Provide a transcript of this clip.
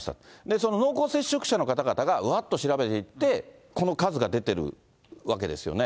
その濃厚接触者の方々がうわーと調べていって、この数が出てるわけですよね。